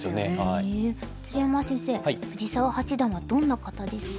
鶴山先生藤澤八段はどんな方ですか？